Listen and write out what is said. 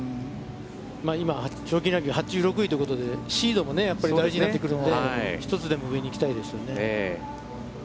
今、賞金ランキング８６位ということで、シードも大事になってくるんで、１つでも上に行きたいですよね。